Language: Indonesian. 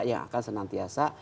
yang akan senantiasa